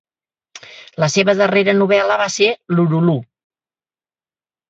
La seva darrera novel·la va ser "Lurulu".